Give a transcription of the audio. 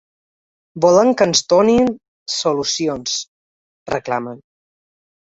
“Volem que ens doni solucions”, reclamen.